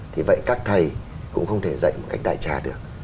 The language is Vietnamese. thì vậy các thầy cũng không thể dạy một cách đại trà được